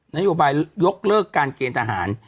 นโยบายยกเลิกการเกณฑ์ทหาร